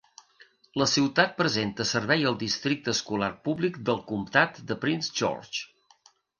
La ciutat presta servei al districte escolar públic del comptat de Prince George.